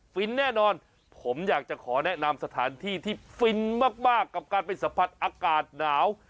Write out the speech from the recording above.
ฟินแน่นอนผมอยากจะขอแนะนำสถานที่ที่ฟินมากกับการไปสัมผัสอากาศหนาว